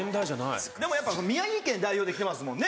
でもやっぱ宮城県代表で来てますもんね